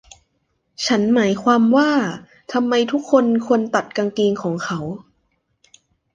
ฉันหมายความว่า ทำไมทุกคนควรตัดกางเกงของเขา ?